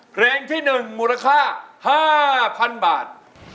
เพลงที่๑มูลค่า๕๐๐๐บาท